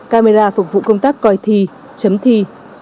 camera phục vụ công tác coi thi chấm thi